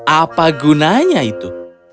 apa gunanya itu